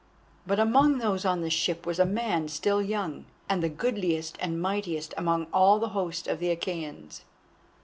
But among those on the ship was a man still young, and the goodliest and mightiest among all the host of the Achæans.